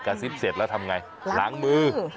กระซิบเสร็จและทำไงหลังมือ